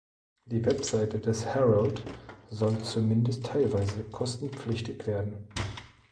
Die Website des Herald soll zumindest teilweise kostenpflichtig werden.